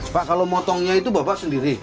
pak kalau motongnya itu bapak sendiri